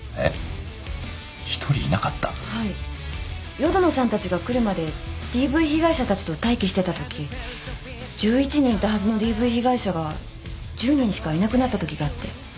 淀野さんたちが来るまでＤＶ被害者たちと待機してたとき１１人いたはずのＤＶ被害者が１０人しかいなくなったときがあって。